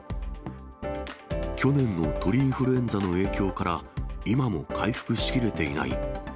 去年の鳥インフルエンザの影響から、今も回復しきれていない。